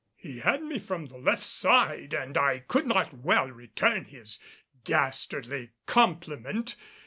He had me from the left side and I could not well return his dastardly compliment.